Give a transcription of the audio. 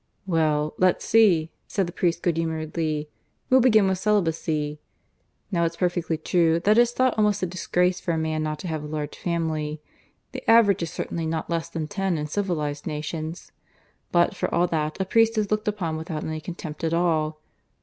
"Well, let's see," said the priest good humouredly. "We'll begin with celibacy. Now it's perfectly true that it's thought almost a disgrace for a man not to have a large family. The average is certainly not less than ten in civilized nations. But for all that a priest is looked upon without any contempt at all.